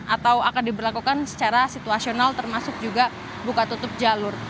atau akan diberlakukan secara situasional termasuk juga buka tutup jalur